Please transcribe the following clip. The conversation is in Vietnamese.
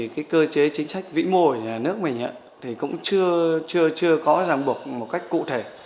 cái cơ chế chính sách vĩ mô của nhà nước mình thì cũng chưa có ràng buộc một cách cụ thể